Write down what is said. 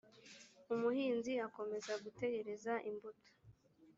umuhinzi akomeza gutegereza imbuto.